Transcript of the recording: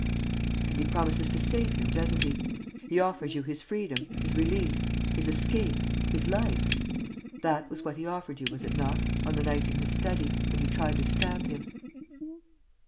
"And he promises to save him, doesn't he? He offers you his freedom, his release, his escape, his life: that was what he offered you, was it not, on the night in his study, when you tried to stab him?"